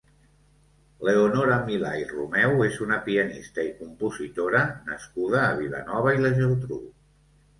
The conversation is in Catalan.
Leonora Milà i Romeu és una pianista i compositora nascuda a Vilanova i la Geltrú.